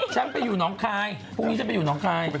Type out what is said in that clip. ฉันไปอยู่หนองคายพรุ่งนี้ฉันไปอยู่น้องคาย